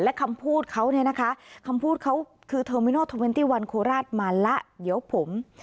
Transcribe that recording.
และคำพูดเขาเนี่ยนะคะคำพูดเขาคือเทอร์มินอลเทอร์เวนตี้วันโคราชมาแล้วเดี๋ยวผม